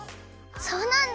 そうなんだ！